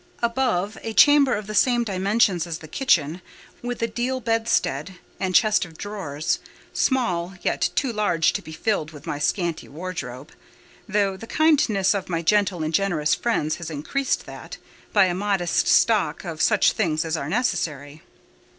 Above, a chamber of the same dimensions as the kitchen, with a deal bedstead and chest of drawers; small, yet too large to be filled with my scanty wardrobe: though the kindness of my gentle and generous friends has increased that, by a modest stock of such things as are necessary.